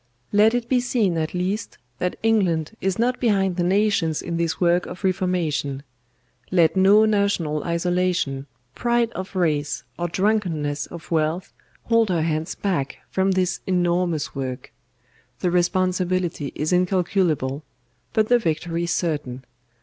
"Let it be seen at least that England is not behind the nations in this work of reformation; let no national isolation, pride of race, or drunkenness of wealth hold her hands back from this enormous work. The responsibility is incalculable, but the victory certain.